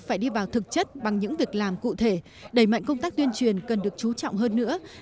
phải đi vào thực chất bằng những việc làm cụ thể đẩy mạnh công tác tuyên truyền cần được chú trọng hơn nữa